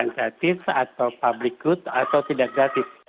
gratis atau public good atau tidak gratis